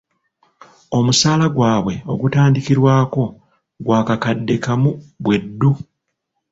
Omusaala gwabwe ogutandikirwako gwa kakadde kamu bweddu.